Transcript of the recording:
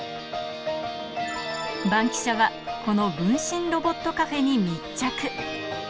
バンキシャは、この分身ロボットカフェに密着。